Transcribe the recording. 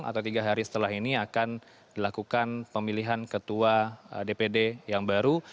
atau tiga hari setelah ini akan dilakukan pemilihan ketua dpd yang baru